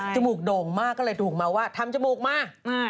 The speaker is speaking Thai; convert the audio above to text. มูกโด่งมากก็เลยถูกมาว่าทำจมูกมา